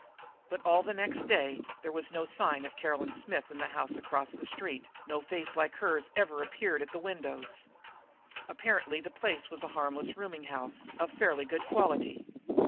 But all the next day there was still no sign of Caroline Smith in the house across the street; no face like hers ever appeared at the windows. Apparently the place was a harmless rooming house of fairly good quality.